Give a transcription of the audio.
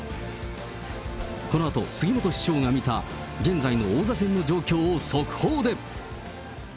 このあと杉本師匠が見た、現在の王座戦の状況を速報で。